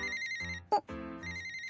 あっ。